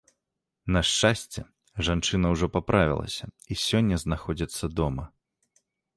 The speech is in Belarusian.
На шчасце, жанчына ўжо паправілася і сёння знаходзіцца дома.